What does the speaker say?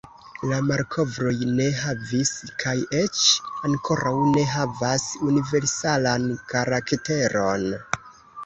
La malkovroj ne havis, kaj eĉ ankoraŭ ne havas, universalan karakteron.